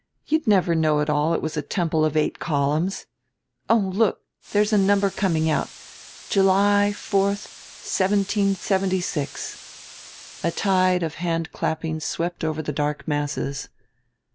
You'd never know at all it was a temple of eight columns. Oh, look there's a number coming out, 'July fourth, seventeen seventy six.'" A tide of hand clapping swept over the dark masses.